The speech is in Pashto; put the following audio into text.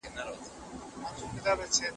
د ټولنپوهنې نړۍ پراخه ده.